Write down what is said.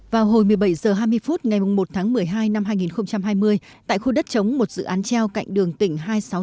vào hồi một mươi bảy h hai mươi phút ngày một tháng một mươi hai năm hai nghìn hai mươi tại khu đất chống một dự án treo cạnh đường tỉnh hai trăm sáu mươi sáu